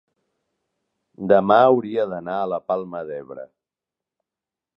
demà hauria d'anar a la Palma d'Ebre.